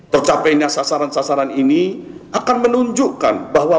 tercapainya sasaran sasaran ini akan menunjukkan bahwa